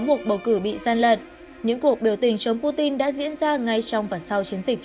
cuộc bầu cử bị gian lận những cuộc biểu tình chống putin đã diễn ra ngay trong và sau chiến dịch